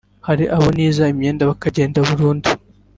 Hari abo ntiza imyenda bakagenda burundu